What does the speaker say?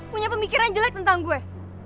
punya pemikiran jelek tentang gue